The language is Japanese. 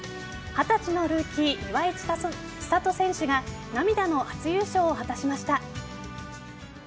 二十歳のルーキー岩井千怜選手が涙の初優勝を果たしました。